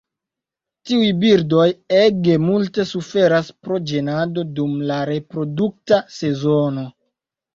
Tiuj birdoj ege multe suferas pro ĝenado dum la reprodukta sezono.